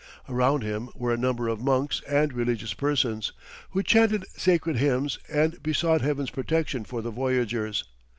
Around him were a number of monks and religious persons, who chanted sacred hymns, and besought Heaven's protection for the voyagers.